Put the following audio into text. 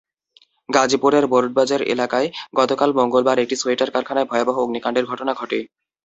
গাজীপুরের বোর্ডবাজার এলাকায় গতকাল মঙ্গলবার একটি সোয়েটার কারখানায় ভয়াবহ অগ্নিকাণ্ডের ঘটনা ঘটে।